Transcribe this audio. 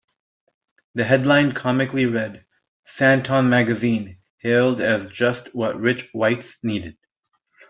The headline comically read Sandton magazine hailed as just what rich whites need.